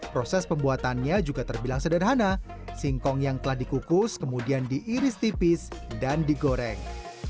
proses pembuatannya juga terbilang sederhana singkong yang telah dikukus kemudian diiris tipis dan digoreng